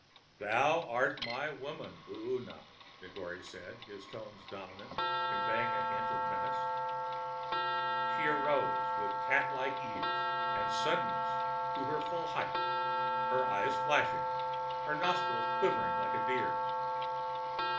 "Thou art my woman, Oona," Negore said, his tones dominant and conveying a hint of menace. She arose with catlike ease and suddenness to her full height, her eyes flashing, her nostrils quivering like a deer's.